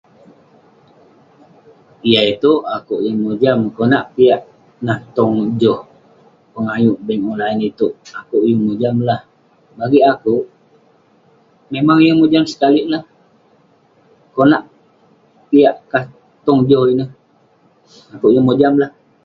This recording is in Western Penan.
Yah itouk akouk yeng mojam. Konak piak nah tong joh pengayuk bank online itouk, akouk yeng mojam lah. Bagik akouk, memang yeng mojam sekalik lah. Konak piak kah tong joh ineh, akouk yeng mojam lah.